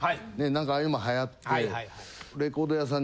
何かああいうのも流行って。